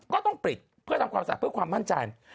ก็ต้องปิดเพื่อทำความสะอาดเพื่อความมั่นใจ